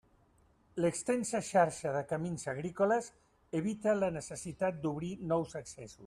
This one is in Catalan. L'extensa xarxa de camins agrícoles evita la necessitat d'obrir nous accessos.